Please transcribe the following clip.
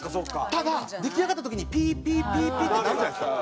ただ出来上がった時にピーピーピーピーって鳴るじゃないですか。